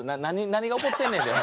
「何が起こってんねん」って。